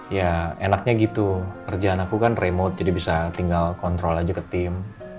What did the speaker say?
ya enaknya gitu kerjaan aku kan remote jadi bisa tinggal kontrol aja ke tim